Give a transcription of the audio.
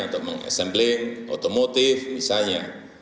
untuk meng assembling otomotif misalnya